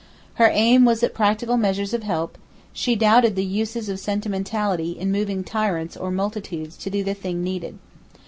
Her aim was at practical measures of help; she doubted the uses of sentimentality in moving tyrants or multitudes to do the thing needed.